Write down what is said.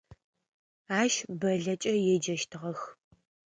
Ащ Бэллэкӏэ еджэщтыгъэх.